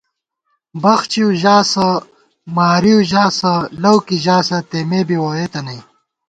بخچِؤ ژاسہ ، مارِؤ ژاسہ ،لَؤ کی ژاسہ تېمے بی ووئېتہ نئ